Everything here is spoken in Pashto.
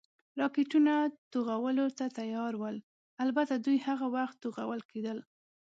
راکټونه، توغولو ته تیار ول، البته دوی هغه وخت توغول کېدل.